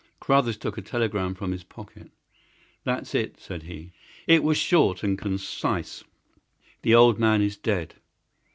Carruthers took a telegram from his pocket. "That's it," said he. It was short and concise:— "The old man is dead."